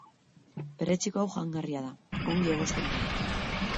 Perretxiko hau jangarria da, ongi egosten bada.